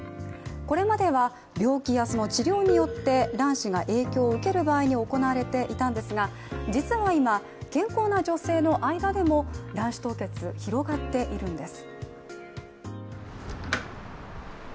これまでは病気やその治療によって卵子が影響を受ける場合に行われていたんですが実は今、健康な女性の間でも卵子凍結、広がっているんです。